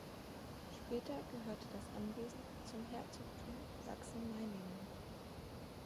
Später gehörte das Anwesen zum Herzogtum Sachsen-Meiningen.